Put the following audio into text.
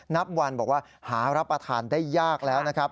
นับวันบอกว่าหารับประทานได้ยากแล้วนะครับ